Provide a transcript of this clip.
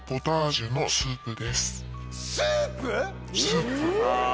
スープ。